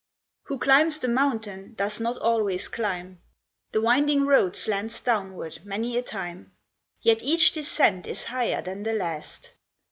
WHO climbs the mountain does not always climb. The winding road slants downward many a time; Yet each descent is higher than the last.